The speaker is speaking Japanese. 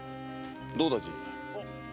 どうだじい？